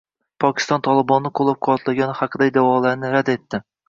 Pokiston “Tolibon”ni qo‘llab-quvvatlayotgani haqidagi da’volarni rad etdi